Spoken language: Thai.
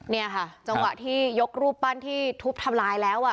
เนี่ยค่ะจังหวะที่ยกรูปปั้นที่ทุบทำลายแล้วอ่ะ